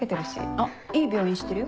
あっいい病院知ってるよ。